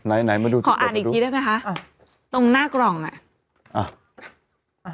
ไหนไหนมาดูขออ่านอีกทีได้ไหมคะอ่าตรงหน้ากล่องอ่ะอ่า